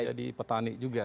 jadi petani juga